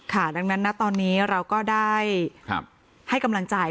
ดังนั้นนะตอนนี้เราก็ได้ให้กำลังใจ